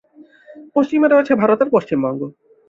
পশ্চিমে রয়েছে ভারতের পশ্চিমবঙ্গ।